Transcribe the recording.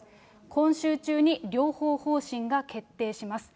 今週中に療法方針が決定します。